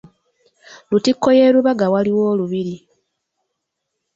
Lutikko y’e Rubaga waaliwo olubiri.